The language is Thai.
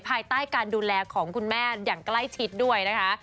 ภายใต้การดูแลของคุณแม่อย่างใกล้ชิดด้วยนะคะ